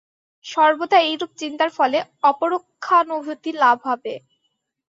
সর্বদা এইরূপ চিন্তার ফলে অপরোক্ষানুভূতি লাভ হবে।